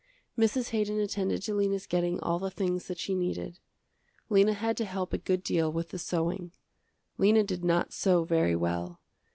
Mrs. Haydon attended to Lena's getting all the things that she needed. Lena had to help a good deal with the sewing. Lena did not sew very well.